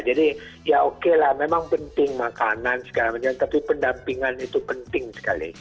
jadi ya oke lah memang penting makanan segala macam tapi pendampingan itu penting sekali